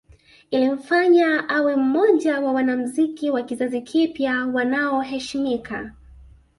Ilimfanya awe mmoja wa wanamuziki wa kizazi kipya wanaoheshimika